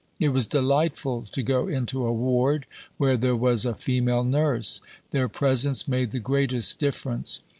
"It was delightful to go into a ward where there was a female nurse. Their presence made the greatest difference."